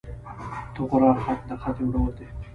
طغرا خط، د خط یو ډول دﺉ.